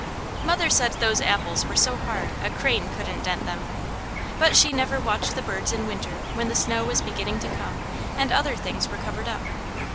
Mother said those apples were so hard a crane couldn't dent them, but she never watched the birds in winter when the snow was beginning to come and other things were covered up.